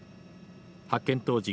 発見当時、